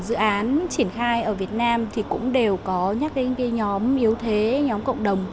chương trình dự án triển khai ở việt nam thì cũng đều có nhắc đến nhóm yếu thế nhóm cộng đồng